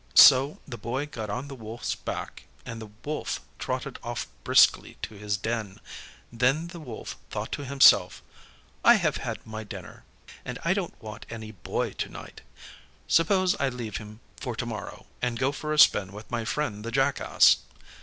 So the Boy got on the Wolf's back, and the Wolf trotted off briskly to his den. Then the Wolf thought to himself, "I have had my dinner, and I don't want any Boy to night. Suppose I leave him for to morrow, and go for a spin with my friend the Jackass."